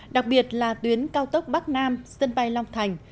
đặc biệt là tuyến cao tốc bắc nam sân bay long thành